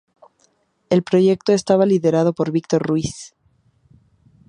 El proyecto estaba liderado por Víctor Ruiz.